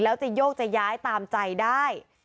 แล้วจะโยกจะย้ายตามใจได้